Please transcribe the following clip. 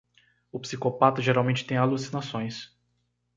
O psicopata geralmente tem alucinações.